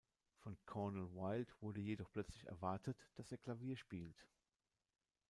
Von Cornel Wilde wurde jedoch plötzlich erwartet, dass er Klavier spielt.